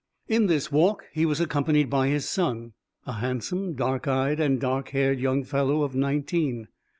In this walk he was accompanied by his son, a handsome, dark eyed and dark haired young fellow of nineteen.